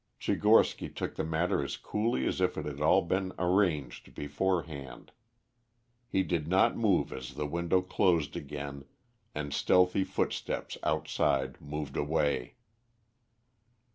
Tchigorsky took the matter as coolly as if it had all been arranged beforehand. He did not move as the window closed again and stealthy footsteps outside moved away.